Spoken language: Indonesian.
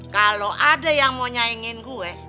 kalau ada yang mau nyaingin gue